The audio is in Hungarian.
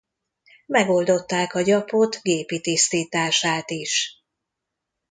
Megoldották a gyapot gépi tisztítását is.